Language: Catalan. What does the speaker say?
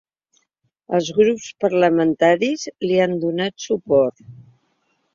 Els grups parlamentaris li han donat suport.